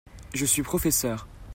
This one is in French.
Je suis professeur.